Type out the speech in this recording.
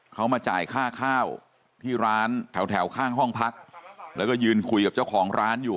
เขามาจ่ายค่าข้าวที่ร้านแถวข้างห้องพักแล้วก็ยืนคุยกับเจ้าของร้านอยู่